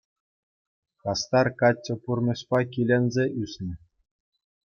Хастар каччӑ пурнӑҫпа киленсе ӳснӗ.